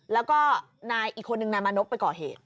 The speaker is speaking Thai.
แล้วก็นายอีกคนนึงนายมานพไปก่อเหตุ